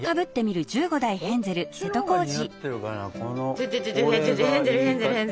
ちょっちょちょっヘンゼルヘンゼル！